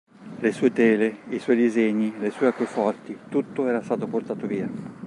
Le sue tele, i suoi disegni, le sue acqueforti, tutto era stato portato via.